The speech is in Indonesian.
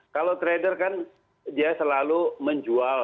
kalau trader kan dia selalu menjual